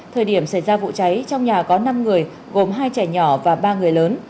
thời điểm xảy ra vụ cháy trong nhà có năm người gồm hai trẻ nhỏ và ba người lớn